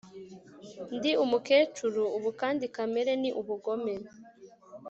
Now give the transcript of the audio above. Ndi umukecuru ubu kandi kamere ni ubugome